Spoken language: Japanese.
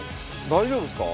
大丈夫ですか？